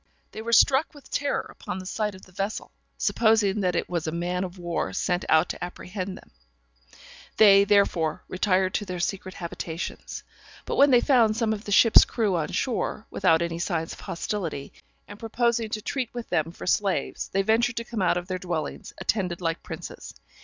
They were struck with terror upon the sight of the vessel, supposing that it was a man of war sent out to apprehend them; they, therefore, retired to their secret habitations. But when they found some of the ship's crew on shore, without any signs of hostility, and proposing to treat with them for slaves, they ventured to come out of their dwellings attended like princes.